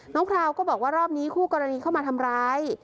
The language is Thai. พราวก็บอกว่ารอบนี้คู่กรณีเข้ามาทำร้าย